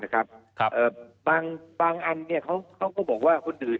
นะครับครับเอ่อบางบางอันเนี้ยเขาเขาก็บอกว่าคนอื่น